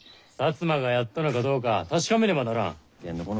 摩がやったのかどうか確かめねばならん。